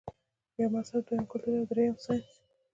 يو مذهب ، دويم کلتور او دريم سائنس -